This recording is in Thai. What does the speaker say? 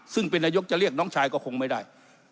ซึ่งเป็นนายกจะเรียกน้องชายก็คงไม่ได้